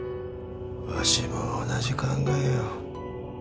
わしも同じ考えよ。